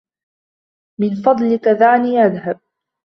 من فضلك دعني أذهب.